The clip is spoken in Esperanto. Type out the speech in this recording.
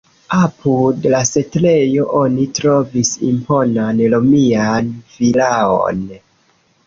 Apud la setlejo oni trovis imponan romian vilaon.